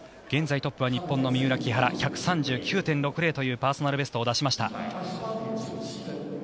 現在、トップは日本の三浦・木原１３９．６０というパーソナルベストを出しました。